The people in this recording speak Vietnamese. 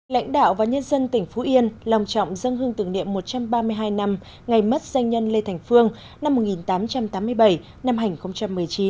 lãnh đạo và nhân dân tỉnh phú yên lòng trọng dân hương tưởng niệm một trăm ba mươi hai năm ngày mất danh nhân lê thành phương năm một nghìn tám trăm tám mươi bảy năm hai nghìn một mươi chín